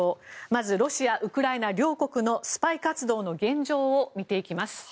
まずロシア、ウクライナ両国のスパイ活動の現状を見ていきます。